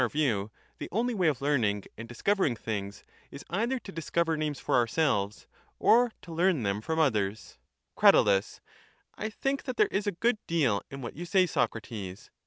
if we are correct in ovir view, the only way of learning and discovering things, is either to discover names for ourselves or to learn them from others. Crat. I think that there is a good deal in what you say, Socrates.